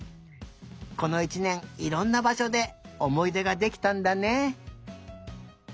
この１ねんいろんなばしょでおもいでができたんだね。